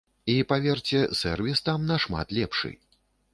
І паверце, сэрвіс там на шмат лепшы.